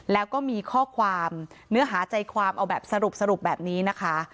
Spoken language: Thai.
แล้วก็มีข้อความเนื้อหาใจความเอาแบบสรุปแบบนี้นะคะ